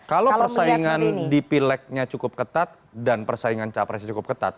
kalau persaingan di pilegnya cukup ketat dan persaingan capresnya cukup ketat